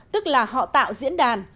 tức là họ tạo diễn đàn